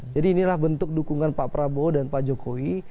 jadi inilah bentuk dukungan pak prabowo dan pak jokowi